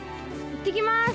いってきます！